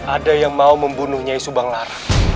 ada yang mau membunuhnya subanglar